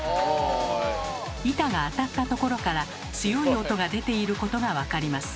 板があたったところから強い音が出ていることが分かります。